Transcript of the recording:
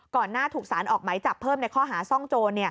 หน้าถูกสารออกไหมจับเพิ่มในข้อหาซ่องโจร